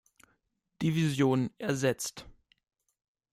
Division ersetzt.